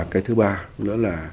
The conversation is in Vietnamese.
cái thứ ba nữa là